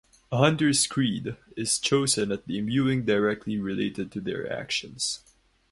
A Hunter's creed is chosen at the imbuing directly related to their actions.